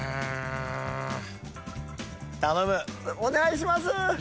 お願いします。